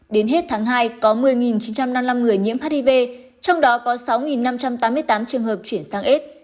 đến hết tháng hai có một mươi chín trăm năm mươi năm người nhiễm hiv trong đó có sáu năm trăm tám mươi tám trường hợp chuyển sang s